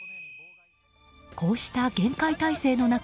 こうした厳戒態勢の中